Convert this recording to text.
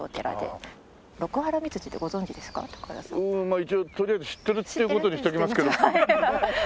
うん一応取りあえず知ってるっていう事にしときますけど。